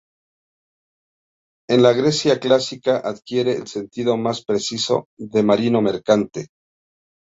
En la Grecia clásica, adquiere el sentido más preciso de marino mercante.